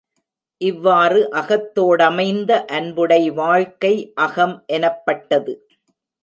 இவ்வாறு அகத்தோடமைந்த அன்புடை வாழ்க்கை அகம் எனப்பட்டது.